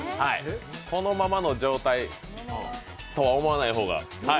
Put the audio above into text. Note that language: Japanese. このままの状態とは思わない方が。